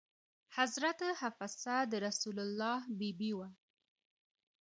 حضرت حفصه د رسول الله بي بي وه.